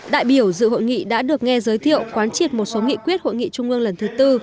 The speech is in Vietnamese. đại biểu dự hội nghị đã được nghe giới thiệu quán triệt một số nghị quyết hội nghị trung ương lần thứ tư